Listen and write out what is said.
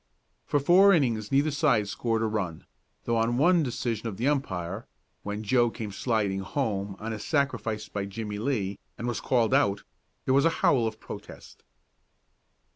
For four innings neither side scored a run, though on one decision of the umpire, when Joe came sliding home on a sacrifice by Jimmie Lee, and was called out, there was a howl of protest.